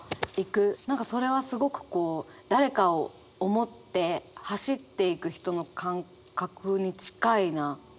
何かそれはすごくこう誰かを思って走っていく人の感覚に近いな。